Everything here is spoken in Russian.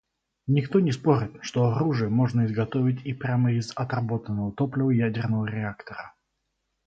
Никто не спорит, что оружие можно изготовить и прямо из отработанного топлива ядерного реактора.